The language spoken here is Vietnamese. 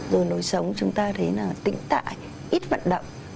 rồi lối sống chúng ta thấy là tĩnh tại ít vận động